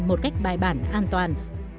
một cách bài bản an toàn